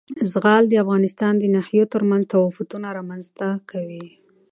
زغال د افغانستان د ناحیو ترمنځ تفاوتونه رامنځ ته کوي.